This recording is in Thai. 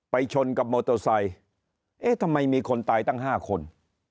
ชนกับมอเตอร์ไซค์เอ๊ะทำไมมีคนตายตั้ง๕คน